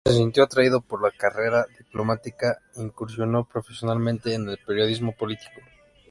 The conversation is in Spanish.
Se sintió atraído por la carrera diplomática, e incursionó profesionalmente en el periodismo político.